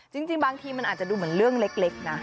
จริงบางทีมันอาจจะดูเหมือนเรื่องเล็กนะ